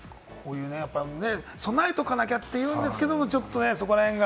備えておかなきゃというんですけれど、そこら辺が。